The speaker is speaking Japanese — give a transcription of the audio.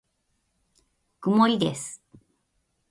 曇りです。